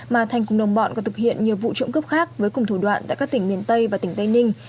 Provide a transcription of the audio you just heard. mà thành cùng đồng bọn còn thực hiện nhiều vụ trộm cấp khác với cùng thủ đoạn tại các tỉnh miền tây và tỉnh tây ninh